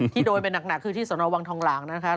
ที่โดยเป็นหนักคือที่สวนอวังทองหล่างนะครับ